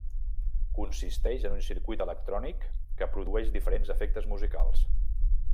Consisteix en un circuit electrònic que produeix diferents efectes musicals.